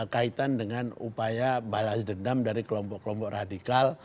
kaitan dengan upaya balas dendam dari kelompok kelompok radikal